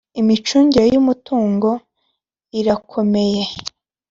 Imicungire y ‘umutungo irakomeye.